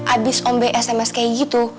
abis ombe sms kayak gitu